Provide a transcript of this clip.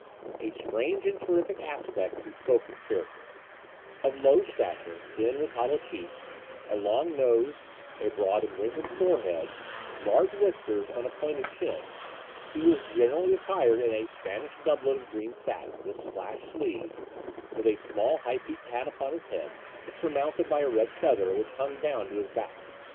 A strange and terrific aspect bespoke his character: of low stature, thin, with hollow cheeks, a long nose, a broad and wrinkled forehead, large whiskers, and a pointed chin; he was generally attired in a Spanish doublet of green satin, with slashed sleeves, with a small high peaked hat upon his head, surmounted by a red feather which hung down to his back.